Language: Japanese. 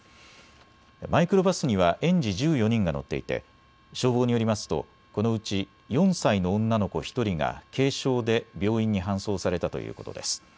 マイクロバスには園児１４人が乗っていて消防によりますとこのうち４歳の女の子１人が軽傷で病院に搬送されたということです。